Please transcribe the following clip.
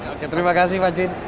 oke terima kasih pak jin